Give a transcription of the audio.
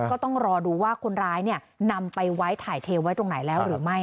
ก็ต้องรอดูว่าคนร้ายนำไปไว้ถ่ายเทไว้ตรงไหนแล้วหรือไม่